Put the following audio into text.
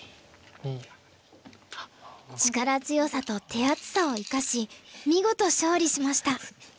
力強さと手厚さを生かし見事勝利しました。